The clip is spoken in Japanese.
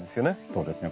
そうですね。